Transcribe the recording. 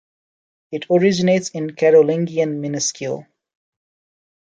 It originates in Carolingian minuscule.